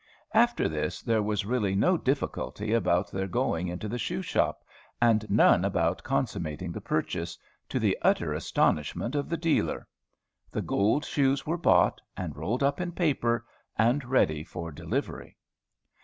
After this, there was really no difficulty about their going into the shoe shop, and none about consummating the purchase, to the utter astonishment of the dealer. The gold shoes were bought, rolled up in paper, and ready for delivery.